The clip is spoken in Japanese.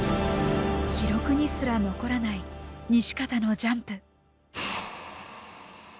記録にすら残らない西方のジャンプ。